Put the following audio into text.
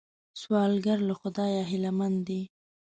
سوالګر له خدایه هیلمن دی